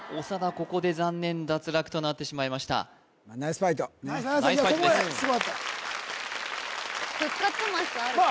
ここで残念脱落となってしまいましたナイスファイトナイスファイトです復活マスあるから・